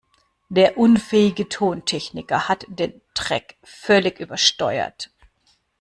Der unfähige Tontechniker hat den Track völlig übersteuert.